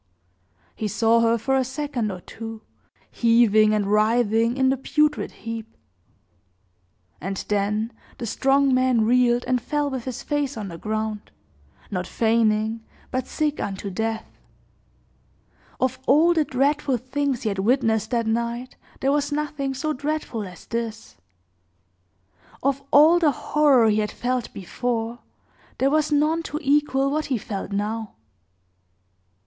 He saw her for a second or two, heaving and writhing in the putrid heap; and then the strong man reeled and fell with his face on the ground, not feigning, but sick unto death. Of all the dreadful things he had witnessed that night, there was nothing so dreadful as this; of all the horror he had felt before, there was none to equal what he felt now.